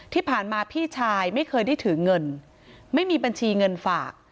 ที่ผ่านมาพี่ชายไม่เคยได้ถือเงินไม่มีบัญชีเงินฝาก